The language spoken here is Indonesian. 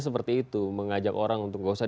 seperti itu mengajak orang untuk gak usah